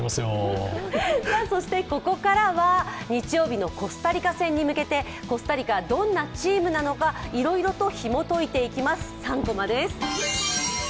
そして、ここからは日曜日のコスタリカ戦に向けてコスタリカ、どんなチームなのか、いろいろとひもといていきます。